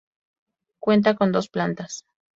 Cuenta con dos plantas.